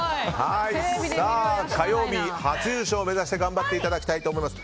火曜日初優勝を目指して頑張っていただきたいと思います。